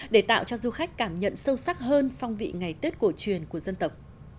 để tạo cho du khách cảm nhận sâu sắc hơn phong vị ngày tết cổ truyền của dân tộc